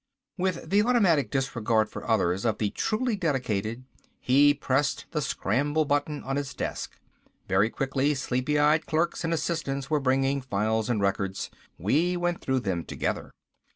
With the automatic disregard for others of the truly dedicated, he pressed the scramble button on his desk. Very quickly sleepy eyed clerks and assistants were bringing files and records. We went through them together.